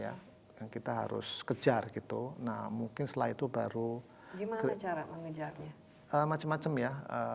ya yang kita harus kejar gitu nah mungkin setelah itu baru gimana cara mengejarnya macam macam ya